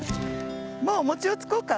もうおもちをつこうか？